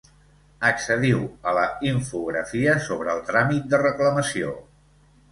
Accediu a la infografia sobre el tràmit de reclamació.